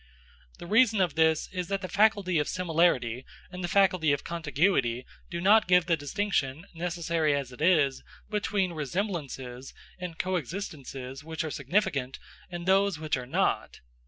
The reason of this is that the faculty of similarity and the faculty of contiguity do not give the distinction, necessary as it is, between resemblances and co existences which are significant and those which are not.